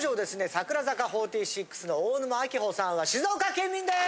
櫻坂４６の大沼晶保さんは静岡県民です！